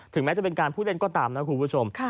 ถึงแม้จะเป็นการพูดเล่นก็ตามนะครับคุณผู้ชม